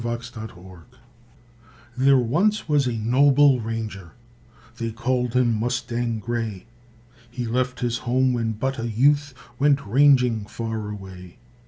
MUSTANG GRAY There once was a noble ranger, They called him Mustang Gray; He left his home when but a youth, Went ranging far away.